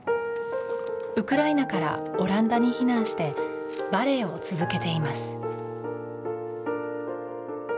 ウクライナからオランダに避難してバレエを続けています。